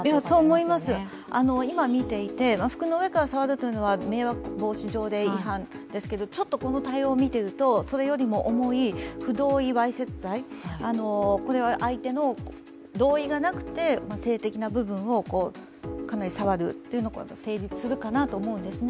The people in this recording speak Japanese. そう思います、今、見ていて服の上から触る、迷惑防止条例違反ですけれども、この対応を見ていると、それよりも思い不同意わいせつ罪、相手の同意がなくて性的な部分を触るというのが成立するかなと思うんですね。